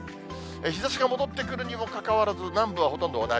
日ざしが戻ってくるにもかかわらず、南部はほとんど同じ。